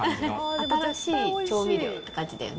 新しい調味料っていう感じだよね。